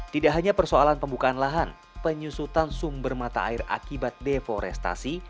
tidak hanya persoalan pembukaan lahan penyusutan sumber mata air akibat deforestasi